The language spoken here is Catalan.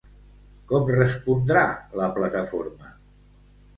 Com respondrà la plataforma?